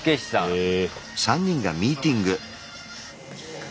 へえ。